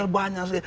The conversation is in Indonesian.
karena banyak sekali